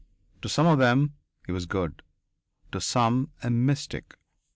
To some of them he was a god. To some, a mystic.